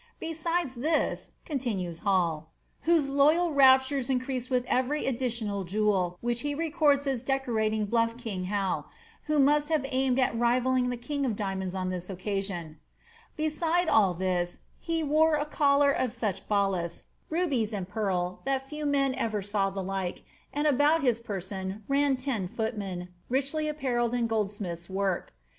Beside all this," continues Hall, whose loyal raptures increase with every additional jewel which he records as decorating bluff king Hal, who must have aimed at rivalling the king of diamonds on this occasion, — '^beside all this, he wore f» collar ot such balas, rubies, and pearl, that few men ever saw the like; and about his person ran ten footmen, richly apparelled in goldsmiths* work.